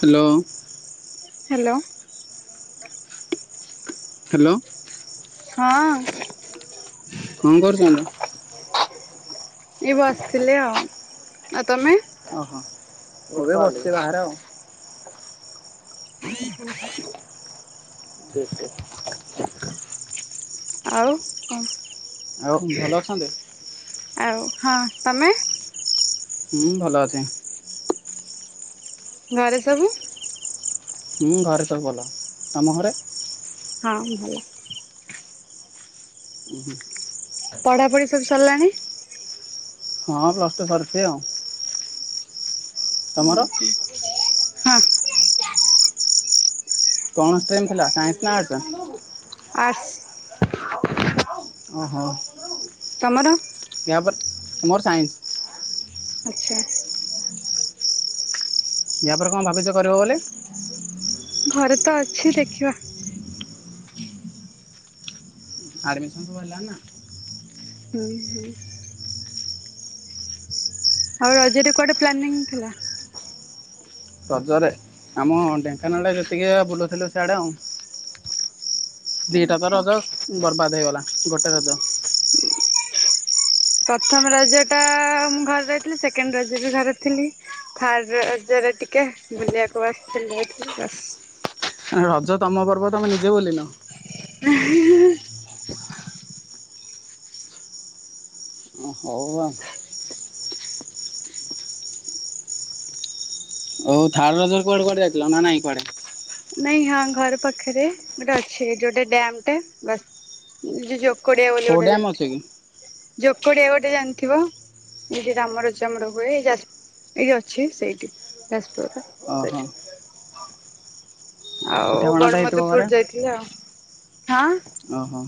[inaudible] Hello. Hello. Hello. ହଁ। କଣ କରୁଛନ୍ତି? ଏଇ ବସିଥିଲି ଆଉ। ଆଉ ତମେ? ଅହୋ, ମୁଁ ବି ବସିଛି ବାହାରେ ଆଉ। ହୁଁ ହୁଁ ଠିକ୍ ଠିକ୍। ଆଉ କଣ? ଆଉ ଭଲ ଅଛନ୍ତି? ଆଉ ହଁ ତମେ? ହୁଁ ଭଲ ଅଛି। ଘରେ ସବୁ? ହୁଁ ଘରେ ସବୁ ଭଲ। ତମ ଘରେ? ହଁ ଭଲ। ଉୁଁ ହୁଁ। ପଢ଼ାପଢ଼ି ସବୁ ସରଲାଣି? ହଁ ପ୍ଲସ୍ ଟୁ ସରିଛି ଆଉ। ଉଁ ତମର? ହୁଁ, ହଁ। କଣ ଟ୍ରେଣ୍ଡ ଥିଲା, ସାଇନ୍ସ ନା ଆର୍ଟ୍ସ? ଆର୍ଟ୍ସ। ଓ ହୋ। ତମର? ୟା ପରେ, ମୋର ସାଇନ୍ସ। ଆଚ୍ଛା। ୟା ପରେ କଣ ଭାବିଛ କରିବ ବୋଲି? ଘରେ ତ ଅଛି ଦେଖିବା। ଆଡମିଶନ୍ ସବୁ ହେଲାଣି ନା। ହୁଁ ହୁଁ। ଆଉ ରଜରେ କୁଆଡେ ପ୍ଲାନିଂ ଥିଲା? ରଜରେ ଆମ ଢେଙ୍କାନାଳରେ ଯେତିକି ଆ ଭୁଲଥିଲୁ ସେଆଡ଼େ ଆଉ। ଦିଟା ତ ରଜ ବର୍ବାଦ୍ ହେଇଗଲା ଗୋଟେ ରଜ। ପ୍ରଥମ ରଜ ଟା ମୁଁ ଘରେ ରହିଥିଲି ସେକେଣ୍ଡ ରଜ ବି ଘରେ ଥିଲି। ଥାର୍ଡ ରଜରେ ଟିକେ ବୁଲିବାକୁ ଆସିଥିଲିଥିଲି ବାସ୍। ରଜ ତମ ପର୍ବ ତମେ ନିଜେ ବୁଲିନ? [unintelligible] ଓ ହଉ ଆ। ଓ ଥାର୍ଡ ରଜ କୁଆଡେ କୁଆଡେ ଯାଇଥିଲ ନା ନାଇଁ କୁଆଡେ? ନାଇଁ ହଁ ଘର ପାଖରେ ଗୋଟେ ଅଛି ଏଇଠି ଗୋଟେ ଡାମ୍ ଟେ ବାସ୍। [unintelligible] କଡିଆ ବୋଲି ହଉ ଗୋଟେ ଡ୍ୟାମ୍ ଅଛି ଜାଣିଥିବ କି ଜୋକ୍ କୋଡିଆ ଗୋଟେ ଜାଣଥିବ? ଏଇଠି ରାମ ରଜାମର ହୁଏ ଯାଜ ଏଇଠି ଅଛି ସେଇଠି ଯାଜପୁର ଓହୋ ସେଇଠି। ଆଉ ପିଠାପଣା ତ ହେଇଥିବ ଗଡ଼ମଧୁ ଘରେ? ପୁର ଯାଇଥିଲି ଆଉ ହଁ। ଓହୋ ମୁଁ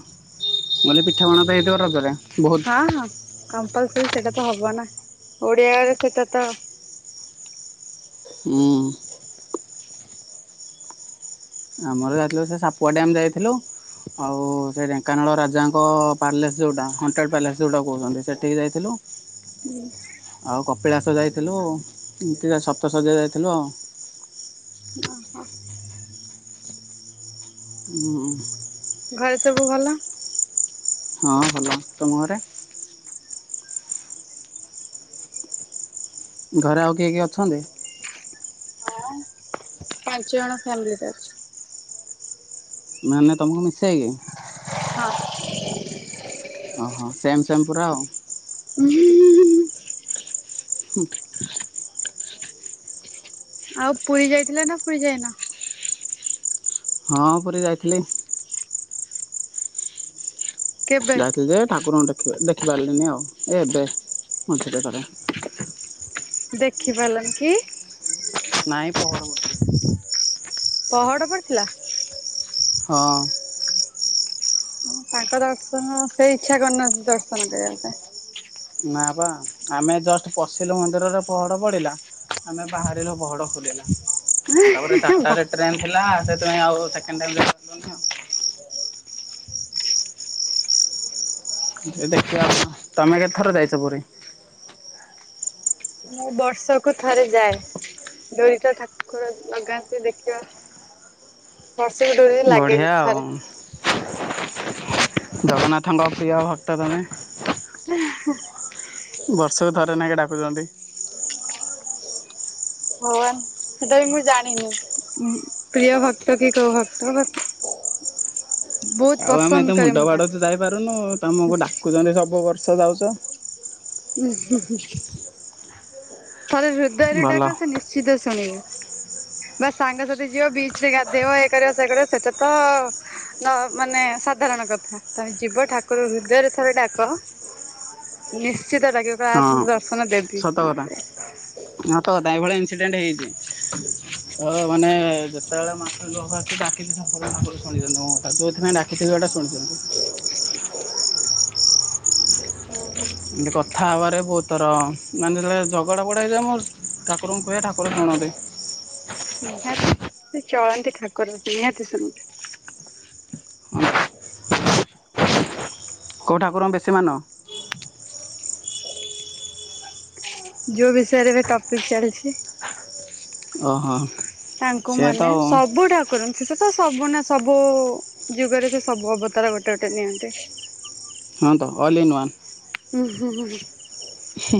କହିଲି ପିଠାପଣା ତ ହେଇଥିବ ରଜ ରେ ବହୁତ। ହଁ ହଁ କମ୍ପଲସରି ସେଇଟା ତ ହବ ନା ଓଡିଆ ଘରେ ସେଇଟା ତ। ହୁଁ। ଆମର ଯାଇଥିଲୁ ସେ ସାପୁଆ ଡ୍ୟାମ୍ ଯାଇଥିଲୁ। ଆଉ ସେ ଢେଙ୍କାନାଳ ରାଜାଙ୍କ ପାଲେସ୍ ଯୋଉଟା ହଣ୍ଟେଡ ପା୍ଲେସ୍ ଯୋଉଟା କହୁଛନ୍ତି ସେଠିକି ଯାଇଥିଲୁ। [inaudible] ହୁଁ। ଆଉ କପିଳାସ ଯାଇଥିଲୁ ଏମିତି ସପ୍ତ ସଯ୍ୟା ଯାଇଥିଲୁ ଆଉ। ଅ ହ। ହୁଁ। ଘରେ ସବୁ ଭଲ। ହଁ ଭଲ ତମ ଘରେ। ଘରେ ଆଉ କିଏ କିଏ ଅଛନ୍ତି। ହଁ ପାଞ୍ଚ ଜଣ ଫ୍ୟାମିଲିରେ ଅଛୁ। ମାନେ ତମକୁ ମିସାଇକି। ହଁ। ଓହୋ ସେ୍ମ ସେମ୍ ପୁରା ଆଉ। ଉଁ ହୁଁ। ହୁଁ। ଆଉ ପୁରୀ ଯାଇଥିଲେ ନା ପୁରୀ ଯାଇନ। ହଁ ପୁରୀ ଯାଇଥିଲି। କେବେ ଯାଇଥିଲି ଯେ ଠାକୁରଙ୍କୁ ଦେଖି ଦେଖି ପାରିଲିନି ଆଉ ଏ ଏବେ ମଝିରେ ଥରେ। ଦେଖି ପାରିଲନି କି। ନାଇଁ ପହଡ ପଡ଼ିଥିଲା। ପହଡ଼ ପଡିଥିଲା। ହଁ। ହଁ ତାଙ୍କ ଦର୍ଶନ ସେଇ ଇଛା କରିନାହାନ୍ତି ଦର୍ଶନ ଦେବା ପାଇଁ। ନା ବା ଆମେ ଜଷ୍ଟ ପଶିଲୁ ମନ୍ଦିରରେ ପହଡ଼ ପଡିଲା। ଆମେ ବାହାରିଲୁ ପହଡ଼ ଖୋଲିଲ। ତାପରେ ପାଇଁ। ବା ଚାରିଟାରେ ଟ୍ରେନ୍ ଥିଲା ସେଥି ପାଇଁ ଆଉ ସେକେଣ୍ଡ ଟାଇମ୍ ଯାଇ ପାରିଲୁନି ଆଉ। ଏ ଦେଖିବା ଆଉ କଁ ତମେ କେତେ ଥର ଯାଇଛ ପୁରୀ। ମୁଁ ବର୍ଷକୁ ଥରେ ଯାଏ। ଦୁଇଟା ଠାକୁର ନଗାନ୍ତି ଦେଖିବା। ବର୍ଷକୁ ଡୋରୀ ଲାଗେ ବଢ଼ିଆ ଗୋ ଆଉ ଥରେ। ଜଗନ୍ନାଥଙ୍କ ପ୍ରିୟ ଭକ୍ତ ତମେ। [unintelligible] ବର୍ଷକୁ ଥରେ ନଖେ ଡାକୁଛନ୍ତି। ହଁ ବା ସେଟା ବି ମୁଁ ଜାଣିନି। ଉଁ ପ୍ରିୟ ଭକ୍ତ କି କୋଉ ଭକ୍ତ ବେ ଆଉ ଆମେ ଏତେ କରେ ମୁଣ୍ଡ ମୁଁ ତାଙ୍କୁ। ବାଡଉଛୁ ଯାଇପାରୁନୁ ତମକୁ ଡାକୁଛନ୍ତି ସବୁ ବର୍ଷ ଯାଉଛ। ଉଁ ହୁଁ ହୁଁ। ଥରେ ହୃଦୟରୁ ଭଲ ଡାକ ସେ ନିଶ୍ଚିତ ଶୁଣିବେ। ବା ସାଙ୍ଗସାଥି ଯିବ ବିଚ ରେ ଗାଧେଇବ ଏଇ କରିବ ସିଏ କରିବ ସେଟା ତ। ନ ମାନେ ସାଧାରଣ କଥା ତମେ ଯିବ ଠାକୁର ହୃଦୟରେ ଥରେ ଡାକ। ନିଶ୍ଚିତ ଡାକିବେ କହିବେ ହଁ ଆସୁନୁ ତ ଦର୍ଶନ ଦେବି। କଥା। ସତ କଥା ଏଇଭଳି ଇନସିଡେଣ୍ଟ ହେଇଚି। ମୋର ମାନେ ଯେତେବେଳେ [unintelligible] ଆସଛି ଡାକିଛି ଠାକୁର ଶୁଣିଛନ୍ତି ମୋ କଥା ଯେଉଥିପାଇଁ ଡା କିଛି ଜଉଟା ଶୁଣିଛନ୍ତି। ହୁଁ ହୁଁ। ଏମିତି କଥା ହେବାରେ ବହୁତ ଥର ମାନେ ଯେତେବଳେ ଝଗଡ଼ା ଫଗଡ଼ା ହେଇଯାଏ ମୋର ଠାକୁରଙ୍କୁ କୁହେ ଠାକୁର ଶୁଣନ୍ତି। ନିହାତି ସେ ଚଳନ୍ତି ଠାକୁର ନିହାତି ଶୁଣି କୋଉ ଠାକୁରଙ୍କୁ ବେଶୀ ମାନ। [inaudible] ଯୋଉ ବିଷୟରେ ଏବେ ଟପିକ୍ ଚାଲିଛି। ଅ ହୋ। ତାଙ୍କୁ ମାନେ ସବୁ ଠା କରନ୍ତି ସେତ ସବୁ ନା ସବୁ ଯୁଗରେ ସେ ସବୁ ଅବତାର ଗୋଟେ ଗୋଟେ ନିଅନ୍ତି। ହଁ ତ ଅଲ୍ ଇନ୍ ୱାନ୍। ହୁଁ ହୁଁ ହୁଁ ହୁଁ। ହେ।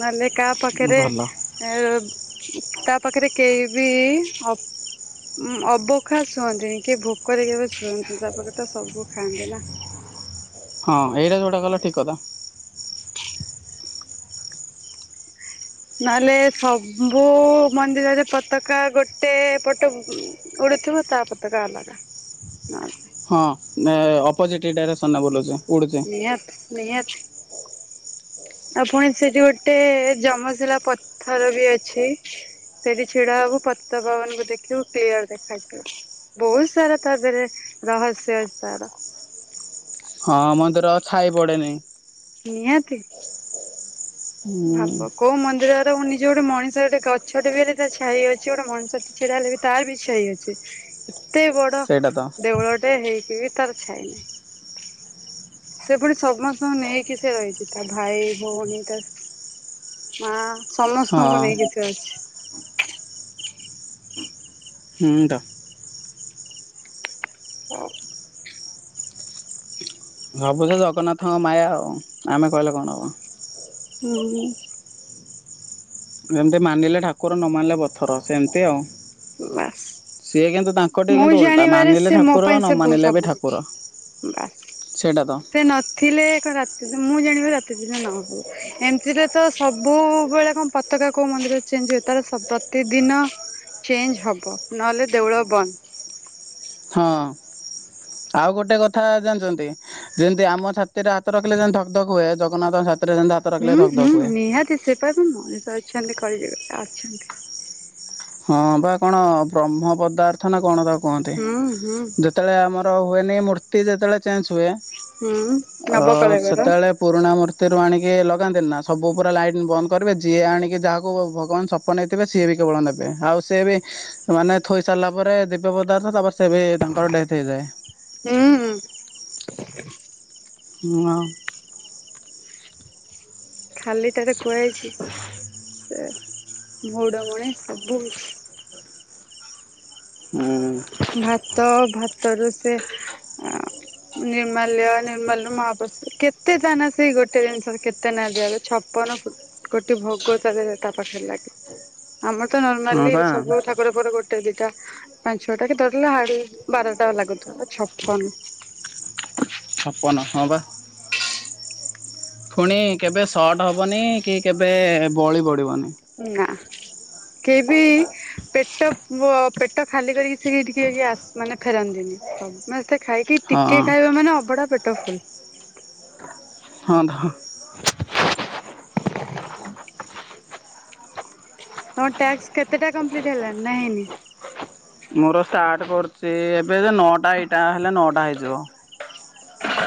ନାହେଲେ କା ପାଖେରେ। ଭଲ ଏ ତା ପାଖେରେ କେହି ବି ଅ ଉଁ ଅଭୋଖା ଶୁଅନ୍ତିନି କିଏ ଭୋକରେ କେବେ ଶୁଅନ୍ତିନି ତା ପାଖରେ ତ ସବୁ ଖାଆନ୍ତି ନା। ହଁ ଏଇଟା ଯୋଉଟା କହିଲ ଠିକ କଥା। ନହେଲେ ସବୁ ମନ୍ଦିରରେ ପତାକା ଗୋଟେ ପଟ ଉଡ଼ିଥିବ ତା ପତାକା ଅଲଗା। ଅପୋଜିଟ ଡାଇରେକ୍ସନରେ ବୁଲୁଚି। ନିହାତି ନିହାତି। ଆଉ ପୁଣି ସେଠି ଗୋଟେ ଯମଶଳା ପଥର ବି ଅଛି। ସେଠି ଛିଡା ହବୁ ପତିତପାବନଙ୍କୁ ଦେଖିବୁ କ୍ଲିୟର ଦେଖାଯିବ। ବହୁତ ସାରା ତା ଦେରେ ରହସ୍ୟ ଅଛି ତାର। ହଁ ମନ୍ଦିର ଛାଇ ପଡ଼େନି। ନିହାତି ଭାବ ହୁଁ କୋଉ ମନ୍ଦିର ନିଜ ଗୋଟେ ମଣିଷ ଗୋଟେ ଗଛଟେ ବି ହେଲେ ତା ଛାଇ ଅଛି ଗୋଟେ ମଣିଷ ଟେ ଛିଡା ହେଲେ ବି ତାର ବି ଛାଇ ଅଛି। ଏତେ ବଡ ସେଇଟା ତ ଦେଉଳଟେ ହେଇକି ବି ତାର ଛାଇ ନାହିଁ। ସେ ପୁଣି ସମସ୍ତଙ୍କୁ ନେଇକି ସେ ରହିଛି ତା ଭାଇ ଭଉଣୀ ତା ମା। ହଁ ସମସ୍ତଙ୍କୁ ନେଇକି ସେ ଅଛି। ହୁଁ ତ। ହଉ। ସବୁ ସେ ଜଗନ୍ନାଥଙ୍କ ମାୟା ଆଉ ଆମେ କହିଲେ କଣ ହବ। ହୁଁ। ଏମିତି ମାନିଲେ ଠାକୁର ନ ମାନିଲେ ପଥର ସେମିତି ଆଉ। ମାସ୍। ସିଏ କିନ୍ତୁ ତାଙ୍କଠି କିନ୍ତୁ ଓଲଟା ମାନିଲେ ସେ ମୋ ଠାକୁର ପାଇଁ ନ ସେ ବୋ ମାନିଲେ ବି ସବୁ କିଛି ଠାକୁର। ବାସ୍ ସେଇଟା ତ ସେ ନଥିଲେ କଣ ରାତିିନ ମୁଁ ଜାଣିବାରେ ରାତିଦିନ ନହୁଏ। ଏମିତିରେ ତ ସବୁବେଳେ କଣ ପତାକା କୋଉ ମନ୍ଦିର ଚେଞ୍ଜ ହୁଏ ତାର ସ ପ୍ରତିଦିନ। ଚେଞ୍ଜ ହବ ନହେଲେ ଦେଉଳ ବନ୍ଦ। ହଁ। ଆଉ ଗୋଟେ କଥା ଜାନିଛନ୍ତି? ଯେମିତି ଆମ ଛାତି ରେ ହାତ ରଖିଲେ ଯେମିତି ଧକ ଧକ ହୁଏ ଜଗନ୍ନାଥ ଛାତି ରେ ସେମିତି ହା ହୁଁ ହୁଁ ନିହାତି ସେ କହିବେ ମଣିଷ ଅଛନ୍ତି କରିଦେବେ ଅଛନ୍ତି। ହଁ ବା କଣ ବ୍ରହ୍ମ ପଦାର୍ଥ ନା କଣ ତା କୁହନ୍ତି। ହୁଁ ହୁଁ ଯେ ଯେତେବେଳେ ଆମର ହୁଏନି ମୂର୍ତ୍ତି ଯେତେବେଳେ ଚେଞ୍ଜ ହୁଏ। ହୁଁ ଅ ନବକଳେବର ସେତେବେଳେ ପୁରୁଣା ମୂର୍ତ୍ତିରୁ ଆଣିକି ଲଗାନ୍ତିନି ନା ସବୁ ପୁରା ଲାଇଟ୍ ବନ୍ଦ କରିବେ ଯିଏ ଆଣିକି ଯାହାକୁ ଭଗବାନ ସ ସପନେଇଥିବେ ସିଏ ବି କେବଳ ନେ ଆଉ ସିଏ ବି ମାନେ ଥୋଇ ସାରିଲା ପରେ ଦିବ୍ୟ ପଦାର୍ଥ ତାପରେ ସେ ବି ତାଙ୍କର ଡେଥ୍ ହେଇଥାଏ। ହୁଁ। ହୁଁ ଅ। ଖାଲି ଟାରେ କୁହାଯାଇଛି ସେ ମଉଡମଣି ସବୁ ଅଛି। ଉୁଁ। ଭାତ ଭାତରୁ ସେ ନିର୍ମାଲ୍ୟ ନିର୍ମାଲ୍ୟ ରୁ ମହାପ୍ରଶାଦ କେତେ ଦାନ ସେଇ ଗୋଟେ ଜିନିଷ କେତେ ନ ଦିଆ ହୁଏ। ପନ୍ ଭୋ କୋଟି ଭୋଗ ତାଦେହରେ ତା ପାଖରେ ଲାଗେ। ଆମର ତ ହଁ ନର୍ମାଲି ବା ସବୁ ଠାକୁର ପରେ ଗୋଟେ ଦିଟା। ଯୋଉଟା କି ଧରିଲେ ହାଡ ବାରଟା ଲାଗୁଥିବ ଛପନ ଛପନ ହଁ ବା। ଫୁଣି କେବେ ସଟ ହେବନି କି କେବେ ବଳି ପଡ଼ିବନି। ନା କେ ବି ପେଟ ବ୍ ପେଟ ଖାଲି କରିକି ସେ ଟିକେ ଆସ ମାନେ ଫେରନ୍ତିନି। ସମସ୍ତେ ଖାଇକି ଟିକେ ହଁ। ଖାଇବା ମାନେ ଅବଢ଼ା ପେଟ ଫୁଲ। ହଁ ରେ ହଁ। ଏଥା [inaudible] ତମ ଟାସ୍କ କେତେଟା କପ୍ଲିଟ ହେଲା ନା ହେଇନି? ମୋର ଷ୍ଟାର୍ଟ କରୁଛି ଏବେ ଯେ ନଅଟା ଏଇଟା ହେଲେ ନଅଟା ହେଇଯିବ।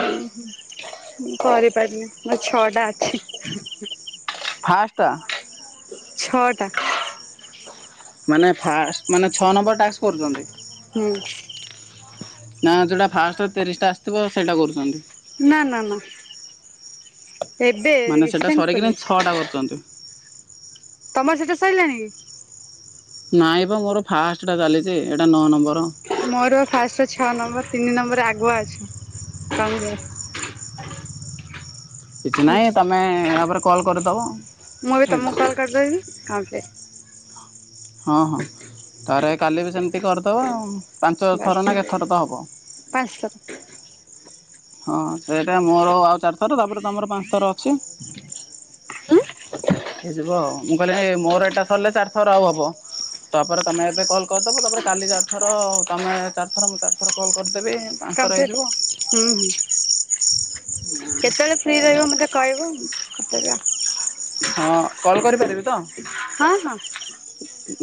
ହୁଁ ହୁଁ ମୁଁ କରିପାରିନି ମୋର ଛଅ ଟା ଅଛି। ଫାଷ୍ଟ ଟା। ଛଅଟା। ମାନେ ଫାଶ୍ ମାନେ ଛଅ ନମ୍ବର ଟାସ୍କ କରୁଛନ୍ତି? ହୁଁ। ନା ଯୁଟା ଫାଷ୍ଟ ତିରିଶଟା ଆସିଥିବ ସେଇଟା କରୁଛନ୍ତି। ନା ନା ନା ଏବେ ମାନେ ସେଇଟା ରିସେଣ୍ଟ ସରିକିନି ଖୋଲିଛି। ଛଅଟା କରୁଛନ୍ତି [unintelligible] ତମର ସେଇଠା ସଇଲାଣି କି? ନାଇଁ ବା ମୋର ଫାଷ୍ଟଟା ଚାଲିଛି ଏଇଟା ନଅ ନମ୍ବର। ମୋର ଫାଷ୍ଟ ଛଅ ନମ୍ବର ତିନି ନମ୍ବରରେ ଆଗୁଆ ଅଛ କଂଗ୍ରାସ କିଛି ହୁଁ ନାହିଁ ତମେ ଏହା ପରେ କଲ୍ କରିଦେବ। ମୁଁ ଏବେ ହେଇଯିବ। ତମକୁ କଲ୍ କରିଦେବି ଆଉ କିଏ? ହଁ ହଁ ତାରେ କାଲି ବି ସେମିତି କରିଦେବ ପାଞ୍ଚ ଥର ନା କେଥର ତ ହେବ? ପାଞ୍ଚଥର। ହଁ ସେଇଟା ମୋର ଆଉ ଚାରି ଥର୍ ତାପରେ ତମର ପାଞ୍ଚଥର ଅଛି। ହେଇଯିବ ଆଉ ମୁଁ କହିଲି ମୋ ଏଇଟା ସରିଲେ ଚାରିଥର ଆଉ ହେବ। ତାପରେ ତମେ ଏବେ କଲ୍ କରିଦବ ତାପରେ କାଲି ଚାରିଥର ଆଉ ତମେ ଚାରିଥର ମୁଁ ଚାରି ଏଥର କଲ୍ କରିଦେବେ ପାଞ୍ଚ ଥର କମ୍ପ୍ଲିଟ। ହେଇଯିବ। ହୁଁ ହୁଁ। କେତେବେଳେ ଫ୍ରି ରହିବେ ମୋତେ କହିବ ମୁଁ କରିଦେବି ଆଉ। ହଁ କଲ୍ କରିପାରିବି ତ? ହଁ ହଁ।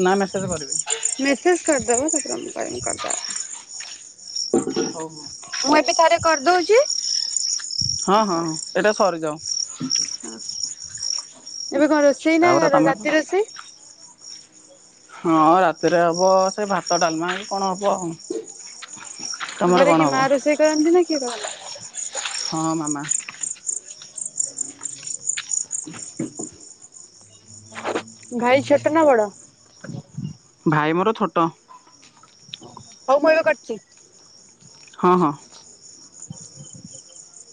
ନା ମେସେଜ କରିବି। ମେସେଜ କରିଦବୁ [unintelligible] ହଉ ହଉ। ମୁଁ ଏବେ ଥରେ କରି ଦଉଚି। ହଁ-ହଁ-ହଁ ଏଇଟା ସରିଯାଉ। ହଁ, ଏବେ କଣ ରୋଷେଇ ନା ତାପରେ ତମେ ରାତି ରୋଷେଇ? ହଁ ରାତିରେ ହବ ସେ ଭାତ ଡାଲମା କି କଣ ହବ ଆଉ। ତମର ଘରେ କଣ କିଏ ହବ? ମା ରୋଷେଇ କରନ୍ତି ନା କିଏ କରନ୍ତି? ହଁ ମାମା। ଭାଇ ଛୋଟ ନା ବଡ? ଭାଇ ମୋର ଛୋଟ। ହଉ ମୁଁ ଏବେ କରଚି। ହଁ-ହଁ। [unintelligible]